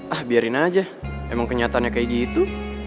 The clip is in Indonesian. ah biarin aja emang kenyataannya kayak gitu